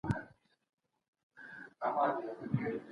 احمد شاه ابدالي څنګه د خپلواکۍ ساتنه کوله؟